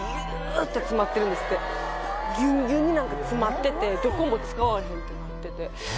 ぎゅんぎゅんに何か詰まっててどこも使われへんってなってて。